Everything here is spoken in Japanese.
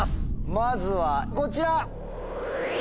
まずはこちら。